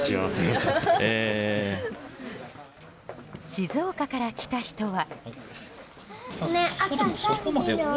静岡から来た人は。